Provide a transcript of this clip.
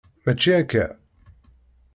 Mačči akka.